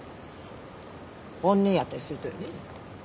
本音やったりするとよね。